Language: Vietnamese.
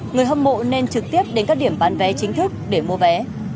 người hâm mộ nên trực tiếp đến các điểm bán vé chính thức để mua vé